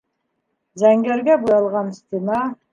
Зәңгәргә буялған стена